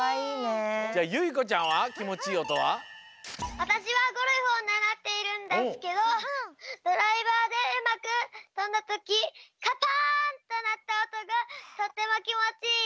わたしはゴルフをならっているんですけどドライバーでうまくとんだときカパーンってなったおとがとてもきもちいいよ。